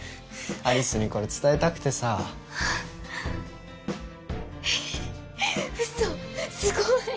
有栖にこれ伝えたくてさ嘘すごい！